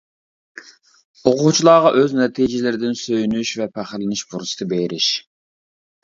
ئوقۇغۇچىلارغا ئۆز نەتىجىلىرىدىن سۆيۈنۈش ۋە پەخىرلىنىش پۇرسىتى بېرىش.